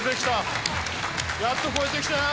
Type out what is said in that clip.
やっと超えてきたよ！